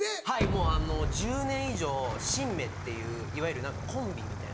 もう１０年以上シンメっていういわゆる何かコンビみたいな。